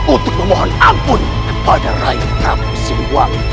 untuk memohon ampun kepada rakyat rakyat siluwang